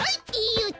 よっと！